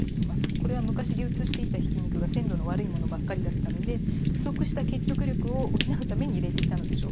これは昔流通していたひき肉が鮮度の悪いものばかりだったので不足した結着力を補うために入れていたのでしょう。